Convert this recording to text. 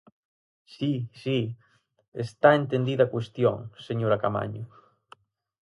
Si, si, está entendida a cuestión, señora Caamaño.